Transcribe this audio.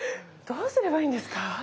どうすればいいんですか？